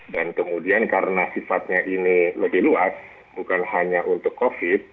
dan kemudian karena sifatnya ini lebih luas bukan hanya untuk covid